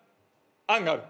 案がある？